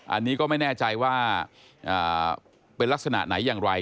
อันนี้ก็ไม่แน่ใจว่าเป็นลักษณะไหนอย่างไร